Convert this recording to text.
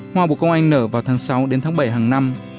hoa bộ công anh nở vào tháng sáu đến tháng bảy hàng năm